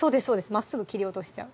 まっすぐ切り落としちゃう